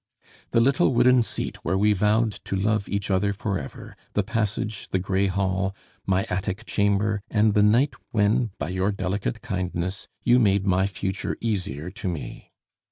the little wooden seat where we vowed to love each other forever, the passage, the gray hall, my attic chamber, and the night when, by your delicate kindness, you made my future easier to me.